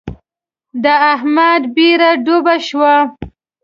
د احمد بېړۍ ډوبه شوه.